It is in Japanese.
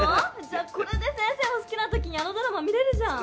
じゃあこれで先生も好きなときにあのドラマ見れるじゃん！